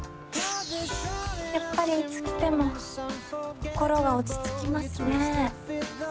やっぱりいつ来ても心が落ち着きますね。